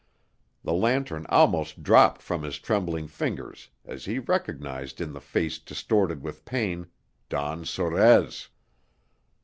The lantern almost dropped from his trembling fingers as he recognized in the face distorted with pain, Don Sorez.